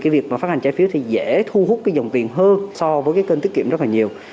việc phát hành trái phiếu dễ thu hút dòng tiền hơn so với kênh tiết kiệm rất nhiều